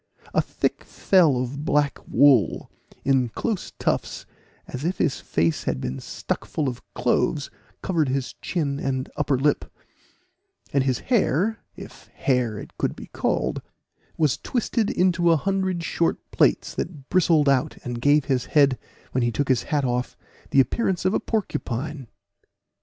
A thick fell of black wool, in close tufts, as if his face had been stuck full of cloves, covered his chin and upper lip; and his hair, if hair it could be called, was twisted into a hundred short plaits, that bristled out, and gave his head, when he took his hat off, the appearance of a porcupine.